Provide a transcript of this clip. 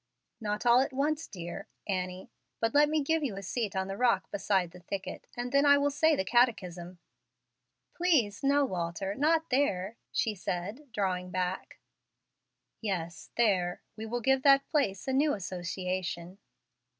"Not all at once, dear Annie. But let me give you a seat on the rock by the thicket, and then I will say the catechism." "Please, no, Walter; not there," she said, drawing back. "Yes, there; we will give that place a new association."